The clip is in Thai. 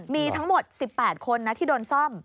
มีทั้งหมด๑๘คนที่โดนซ่อม